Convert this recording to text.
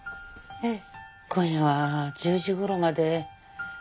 ええ。